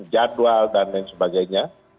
jadwal dan lain sebagainya